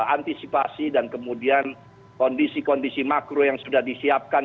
antisipasi dan kemudian kondisi kondisi makro yang sudah disiapkan